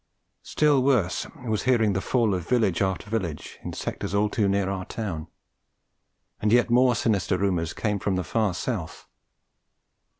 Still worse hearing was the fall of village after village in sectors all too near our own; and yet more sinister rumours came from the far south.